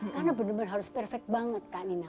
karena benar benar harus perfect banget kak nina